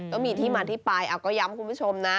ก็มีที่มาที่ไปก็ย้ำคุณผู้ชมนะ